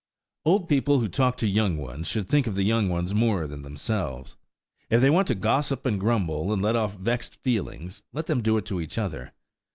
Old people who talk to young ones should think of the young ones more than themselves. If they want to gossip and grumble, and let off vexed feelings, let them do it to each other.